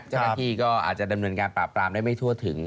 เจ้าหน้าที่ก็อาจจะดำเนินการปราบปรามได้ไม่ทั่วถึง